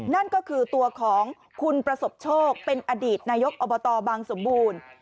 นั่นก็คือตัวของคุณประสบโชคเป็นอดีตนายกอบตบางสมบูรณ์